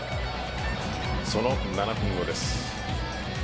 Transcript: その７分後です。